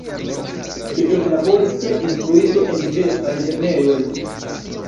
Li eklaboris kiel instruisto en diversaj lernejoj.